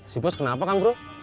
sibus kenapa kang bro